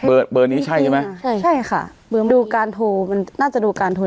เบอร์เบอร์นี้ใช่ใช่ไหมใช่ใช่ค่ะเหมือนดูการโทรมันน่าจะดูการโทร